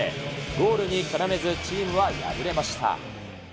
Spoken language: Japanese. ゴールに絡めず、チームは敗れました。